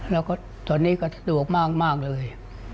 แล้วก็ตอนนี้ก็สะดวกมากเลย